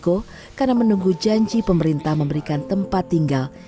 taksa mengambil resiko karena menunggu janji pemerintah memberikan tempat tinggal